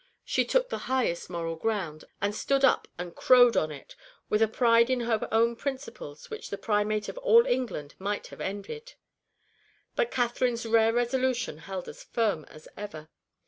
She took the highest moral ground, and stood up and crowed on it, with a pride in her own principles which the Primate of all England might have envied. But Catherine's rare resolution held as firm as ever.